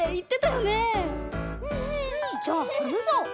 じゃあはずそう！